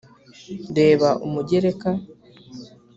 reba umugereka